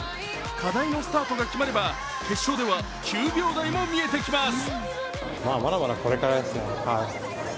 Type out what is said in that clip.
課題のスタートが決まれば決勝では９秒台も見えてきます。